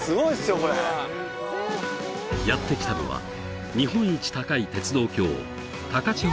これやって来たのは日本一高い鉄道橋高千穂